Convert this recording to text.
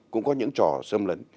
cũng có những trò xâm lấn